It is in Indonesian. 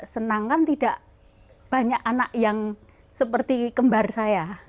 senang kan tidak banyak anak yang seperti kembar saya